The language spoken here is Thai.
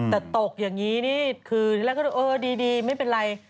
แต่ตกอย่างนี้นี่คือทีละก็ดีไม่เป็นไร